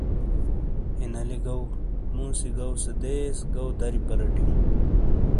ہینالی گو موسی گوسے دیس گو دری پلٹیو۔